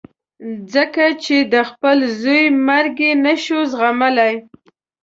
ځکه چې د خپل زوی مرګ یې نه شو زغملای.